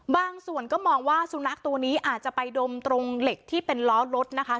บางส่วนก็มองว่าสุนัขตัวนี้อาจจะไปดมตรงเหล็กที่เป็นล้อรถนะคะ